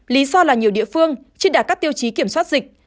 lý do là nhiều địa phương chưa đạt các tiêu chí kiểm soát dịch